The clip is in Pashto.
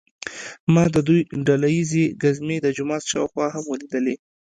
ما د دوی ډله ییزې ګزمې د جومات شاوخوا هم ولیدلې.